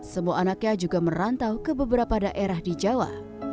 semua anaknya juga merantau ke beberapa daerah di jawa